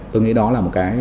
tôi nghĩ đó là một cái